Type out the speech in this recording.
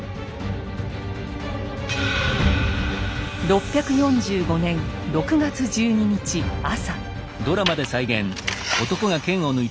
６４５年６月１２日朝。